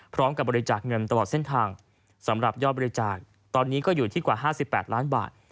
พร้อมกับบริจาคเงินตลอดเส้นทางสำหรับยอดบริจาคตอนนี้ก็อยู่ที่กว่า๕๘ล้านบาท